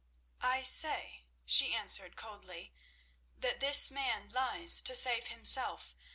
"I say," she answered coldly, "that this man lies to save himself.